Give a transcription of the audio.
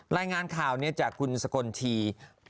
ไล่งานข่าวจากคุณสกลที